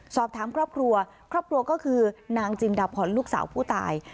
สอบถามครอบครัวครอบครัวก็คือนางจินดาพรลูกสาวผู้ตาย